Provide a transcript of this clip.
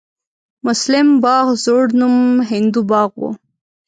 مسلم باغ زوړ نوم هندو باغ و